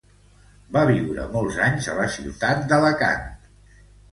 Va viure molts anys a la ciutat d'Alacant.